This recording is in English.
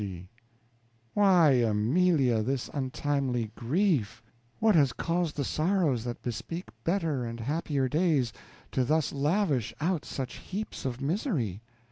G. Why, Amelia, this untimely grief? What has caused the sorrows that bespeak better and happier days, to those lavish out such heaps of misery?